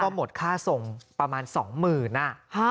ก็หมดค่าส่งประมาณสองหมื่นนะ